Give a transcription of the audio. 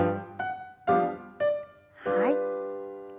はい。